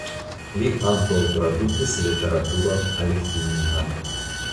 Li ankaŭ tradukis literaturon al finna.